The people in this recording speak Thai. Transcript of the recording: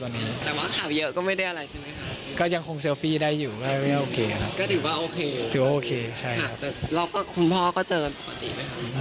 แต่ว่าขาวเยอะก็ไม่ได้อะไรใช่มั้ยครับ